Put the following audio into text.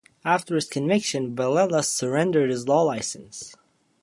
After his conviction, Velella surrendered his law license.